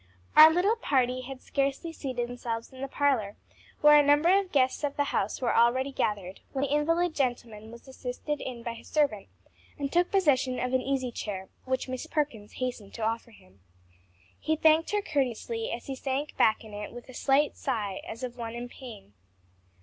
_ Our little party had scarcely seated themselves in the parlor, where a number of the guests of the house were already gathered, when the invalid gentleman was assisted in by his servant and took possession of an easy chair which Mrs. Perkins hastened to offer him. He thanked her courteously as he sank back in it with a slight sigh as of one in pain.